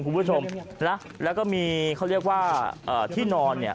คุณผู้ชมนะแล้วก็มีเขาเรียกว่าเอ่อที่นอนเนี่ย